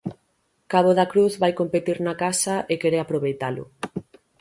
Cabo da Cruz vai competir na casa e quere aproveitalo.